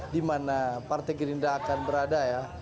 di mana partai gerindra akan berada ya